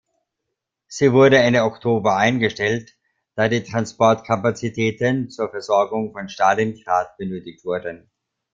Sie wurde Ende Oktober eingestellt, da die Transportkapazitäten zur Versorgung von Stalingrad benötigt wurden.